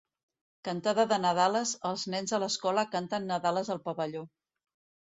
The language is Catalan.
Cantada de Nadales, Els nens de l'escola canten nadales al Pavelló.